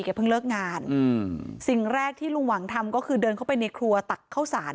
เพิ่งเลิกงานอืมสิ่งแรกที่ลุงหวังทำก็คือเดินเข้าไปในครัวตักข้าวสาร